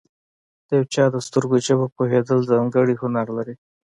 د یو چا د سترګو ژبه پوهېدل، ځانګړی هنر دی.